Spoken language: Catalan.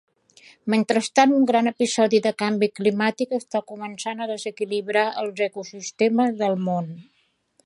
Mentrestant, un gran episodi de canvi climàtic està començant a desequilibrar els ecosistemes del món.